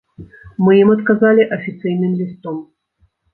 Мы ім адказалі афіцыйным лістом.